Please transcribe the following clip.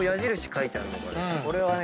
これはね。